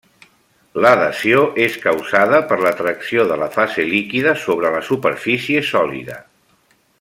L'adhesió és causada per l'atracció de la fase líquida sobre la superfície sòlida.